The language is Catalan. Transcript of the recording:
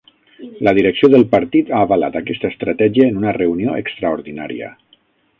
La direcció del partit ha avalat aquesta estratègia en una reunió extraordinària